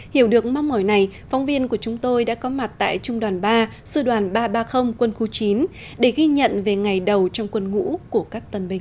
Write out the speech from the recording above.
hiểu được mong mỏi này phóng viên của chúng tôi đã có mặt tại trung đoàn ba sư đoàn ba trăm ba mươi quân khu chín để ghi nhận về ngày đầu trong quân ngũ của các tân binh